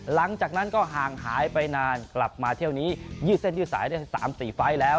หลังจากนั้นก็ห่างหายไปนานกลับมาเที่ยวนี้ยืดเส้นยืดสายได้๓๔ไฟล์แล้ว